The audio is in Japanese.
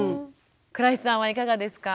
倉石さんはいかがですか？